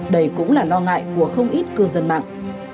đây cũng là lo ngại của không ít cư dân mạng